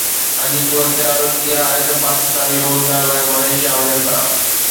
اڄ صورتحال اها آهي ته پاڪستاني روزگار لاءِ ملائيشيا وڃن ٿا.